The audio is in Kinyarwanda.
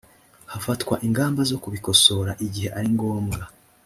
hafatwa ingamba zo kubikosora igihe aringombwa